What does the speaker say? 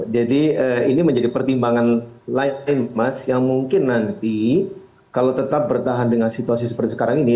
jadi ini menjadi pertimbangan lain mas yang mungkin nanti kalau tetap bertahan dengan situasi seperti sekarang ini